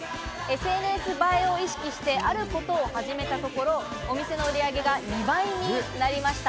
ＳＮＳ映えを意識して、あることを始めたところ、お店の売り上げが２倍になりました。